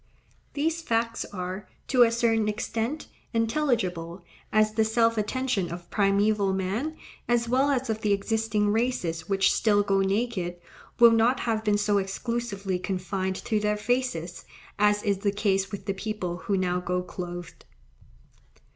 These facts are, to a certain extent, intelligible, as the self attention of primeval man, as well as of the existing races which still go naked, will not have been so exclusively confined to their faces, as is the case with the people who now go clothed.